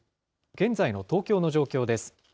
現在の東京の状況です。